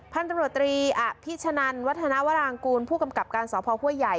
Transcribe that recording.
ท่านตำรวจตรีอภิชนันวัฒนาวรางกูลผู้กำกับการสพห้วยใหญ่